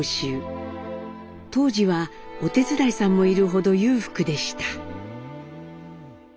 当時はお手伝いさんもいるほど裕福でした。